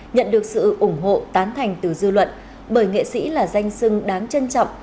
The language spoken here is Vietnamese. nhận được sự ủng hộ tán thành từ dư luận bởi nghệ sĩ là danh sưng đáng trân trọng